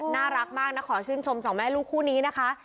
น่ารักมากนะขอชื่นชมสองแม่ลูกคู่นี้นะคะ